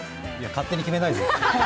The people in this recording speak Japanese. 勝手に決めないで。